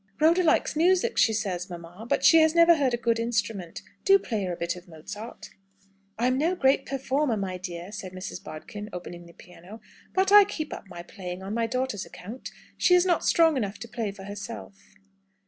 "Rhoda likes music, she says, mamma. But she has never heard a good instrument. Do play her a bit of Mozart!" "I am no great performer, my dear," said Mrs. Bodkin, opening the piano; "but I keep up my playing on my daughter's account. She is not strong enough to play for herself."